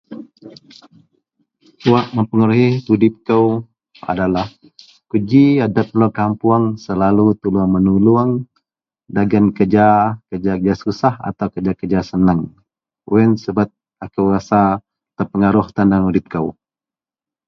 Kubaji adet telo kampung selalu tulong menulong dagen keja-keja gak susah jegam gak keja-keja senang wak yian rasa ko terpangaruh dagen udep ko.